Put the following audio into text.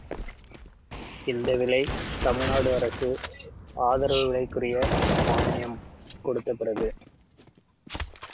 இந்த விலை தமிழ்நாடு அரசு ஆதரவு விலைக்குரிய மான்யம் கொடுத்தபிறகு!